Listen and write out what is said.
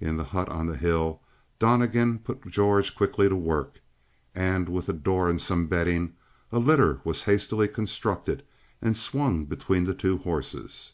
In the hut on the hill, Donnegan put George quickly to work, and with a door and some bedding, a litter was hastily constructed and swung between the two horses.